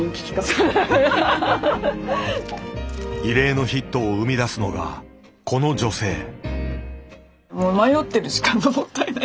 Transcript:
異例のヒットを生み出すのがこの女性。